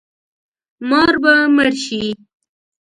مار به مړ شي